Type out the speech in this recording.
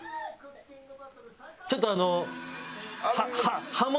ちょっとあの。